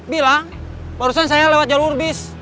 bilang barusan saya lewat jalur bis